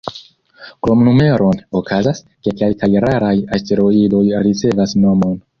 Krom numeron, okazas, ke kelkaj raraj asteroidoj ricevas nomon.